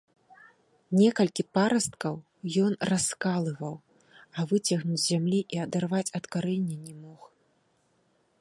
Некалькі парасткаў ён раскалываў, а выцягнуць з зямлі і адарваць ад карэння не мог.